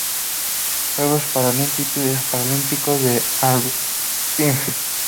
Juegos Paralímpicos de Albertville